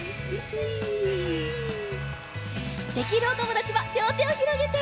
できるおともだちはりょうてをひろげて！